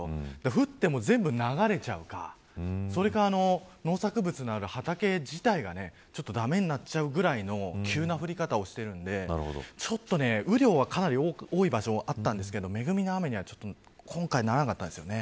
降っても全部流れてしまうかそれか農作物のある畑自体が駄目になっちゃうくらいの急な降り方をしているので雨量はかなり多い場所もあったんですけど恵みの雨には今回ならなかったんですよね。